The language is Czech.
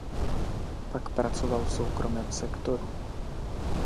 Pak pracoval v soukromém sektoru.